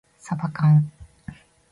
さばかん